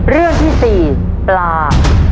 เรื่องที่๔ปลา